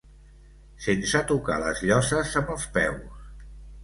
Sense tocar les lloses amb els peus.